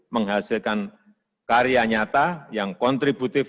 menghasilkan karya nyata yang kontributif